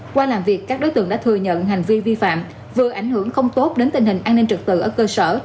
qua làm việc các đối tượng đã thừa nhận hành vi vi phạm vừa ảnh hưởng không tốt đến tình hình an ninh trực tự ở cơ sở